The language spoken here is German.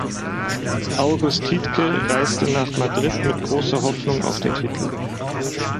August Tiedtke reiste nach Madrid mit großer Hoffnung auf den Titel.